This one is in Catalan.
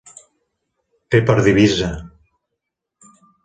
Té per divisa: